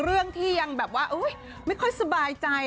เรื่องที่ยังแบบว่าไม่ค่อยสบายใจ